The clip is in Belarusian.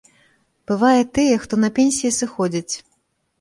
Бывае, тыя, хто на пенсіі, сыходзяць.